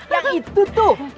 yang itu tuh